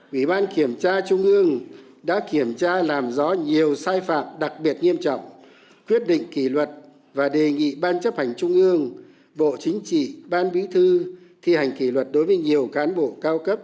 ủy ban kiểm tra trung ương đã kiểm tra làm rõ nhiều sai phạm đặc biệt nghiêm trọng quyết định kỷ luật và đề nghị ban chấp hành trung ương bộ chính trị ban bí thư thi hành kỷ luật đối với nhiều cán bộ cao cấp